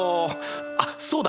あっそうだ！